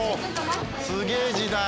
すげえ時代！